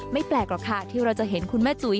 แปลกหรอกค่ะที่เราจะเห็นคุณแม่จุ๋ย